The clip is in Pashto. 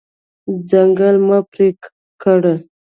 ځنګل مه پرې کړه.